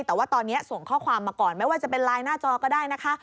แต่ว่าตอนนี้ส่งข้อความมาก่อนไม่ว่าจะเป็นไลน์หน้าจอก็ได้นะคะ